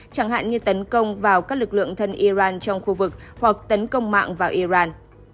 chẳng hạn như tấn công vào các lực lượng thân iran trong khu vực hoặc tấn công mạng vào iran